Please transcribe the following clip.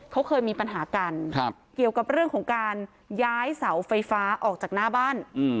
เขาเคยมีปัญหากันเกี่ยวกับเรื่องของการย้ายเสาไฟฟ้าออกจากหน้าบ้าน